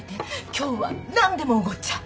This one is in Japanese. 今日は何でもおごっちゃう。